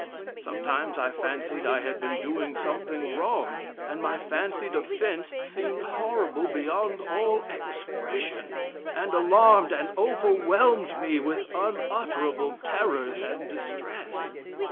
Sometimes I fancied I had been doing something wrong, and my fancied offence seemed horrible beyond all expression, and alarmed and overwhelmed me with unutterable terrors and distress.